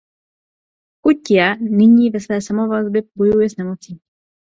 Chu Ťia nyní ve své samovazbě bojuje s nemocí.